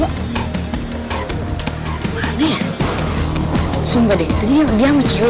tadi dia duduk disana sama cewek itu